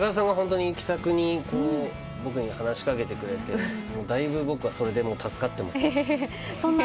北川さんが気さくに僕に話し掛けてくれてだいぶ、僕はそれで助かってます。